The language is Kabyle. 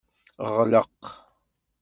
Ɣleq!